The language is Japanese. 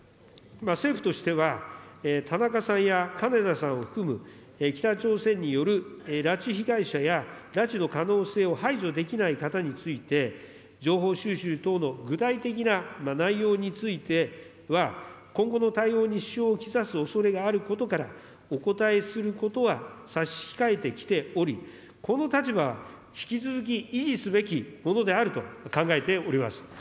政府としては田中さんや金田さんを含む、北朝鮮による拉致被害者や、拉致の可能性を排除できない方について、情報収集等の具体的な内容については、今後の対応に支障を来すおそれがあることから、お答えすることは差し控えてきており、この立場は引き続き維持すべきものであると考えております。